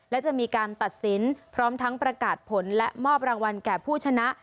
และจะมีการตัดสินพร้อมทั้งประกาศผลและมอบรางวัลแก่ผู้ชนะ